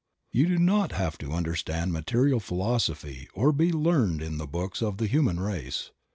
You do not have to understand material philosophy or be learned in the books of the human race.